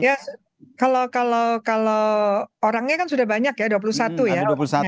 ya kalau orangnya kan sudah banyak ya dua puluh satu ya